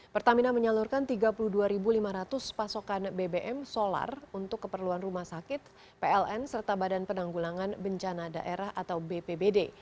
pertamina menyalurkan tiga puluh dua lima ratus pasokan bbm solar untuk keperluan rumah sakit pln serta badan penanggulangan bencana daerah atau bpbd